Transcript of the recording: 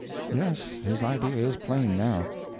"Yes, his idea is plain, now.